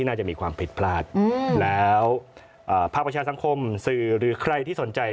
คือชางเล๑๙๕๕เป็นข้อมูลให้